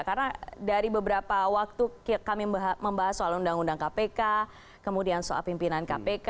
karena dari beberapa waktu kami membahas soal undang undang kpk kemudian soal pimpinan kpk